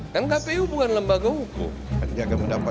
kan kpu bukan lembaga hukum